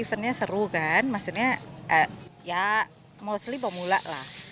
eventnya seru kan maksudnya ya mostly pemula lah